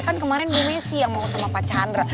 kan kemarin bu messi yang mau sama pak chandra